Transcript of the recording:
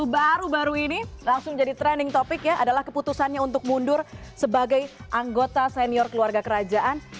baru baru ini langsung jadi trending topic ya adalah keputusannya untuk mundur sebagai anggota senior keluarga kerajaan